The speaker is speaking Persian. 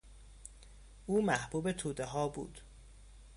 او محبوب تودهها بود.